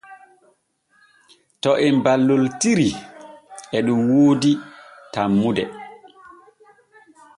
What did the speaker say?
To em balloltiitri e ɗun woodi tanmude.